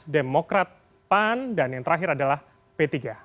demokrat pan dan yang terakhir adalah p tiga